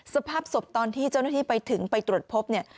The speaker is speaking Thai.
สภาพศพตอนที่เจ้าหน้าที่ไปถึงไปตรวจพบเนี่ย